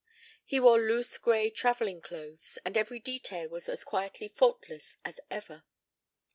He wore loose gray travelling clothes, and every detail was as quietly faultless as ever.